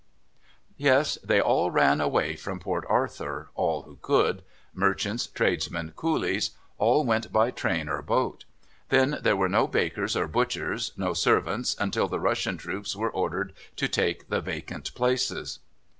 Yes, they all ran away from Port Arthur, all who could merchants, tradesmen, coolies all went by train or boat. Then there were no bakers or butchers, no servants, until the Russian troops were ordered to take the vacant places.